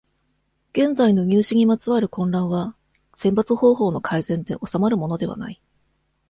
現在の入試にまつわる混乱は、選抜方法の改善で収まるものではない。